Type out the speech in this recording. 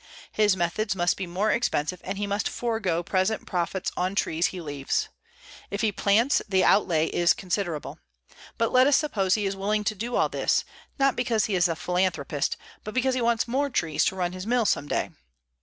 His methods must be more expensive and he must forego present profits on trees he leaves. If he plants, the outlay is considerable. But let us suppose he is willing to do all this, not because he is a philanthropist but because he wants more trees to run his mill some day.